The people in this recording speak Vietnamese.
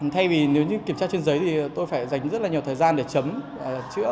thay vì nếu như kiểm tra trên giấy thì tôi phải dành rất là nhiều thời gian để chấm chữa